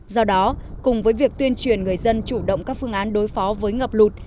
do đó cùng với việc tuyên truyền người dân chủ động các phương án đối phó với ngập lụt